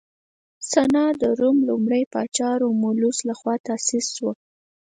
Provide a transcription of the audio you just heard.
سنا د روم لومړي پاچا رومولوس لخوا تاسیس شوه